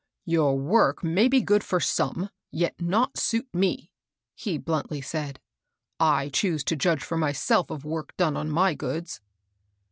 "Your work may be good for some, yet not suit me," he bluntly said. "I choose to judge for myself of work done on my goods."